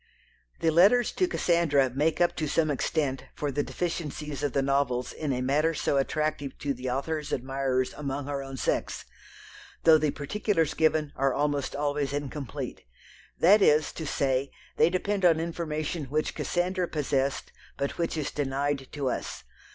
The letters to Cassandra make up to some extent for the deficiencies of the novels in a matter so attractive to the author's admirers among her own sex, though the particulars given are almost always incomplete; that is to say, they depend on information which Cassandra possessed, but which is denied to us.